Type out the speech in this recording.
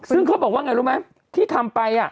ซึ่งเขาบอกว่าไงรู้ไหมที่ทำไป